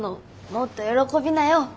もっと喜びなよ。